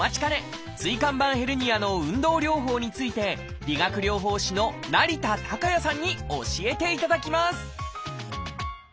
椎間板ヘルニアの運動療法について理学療法士の成田崇矢さんに教えていただきます